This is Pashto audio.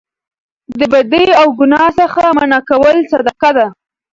د بدۍ او ګناه څخه منع کول صدقه ده